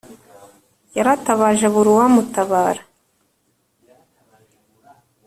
Yaratabaje abura uwamutabara